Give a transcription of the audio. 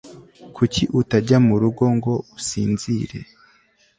kuki utajya murugo ngo usinzire